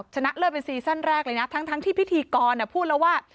ชนะเลิศเป็นซีซั่นแรกเลยนะทั้งที่พิธีกรพูดแล้วว่า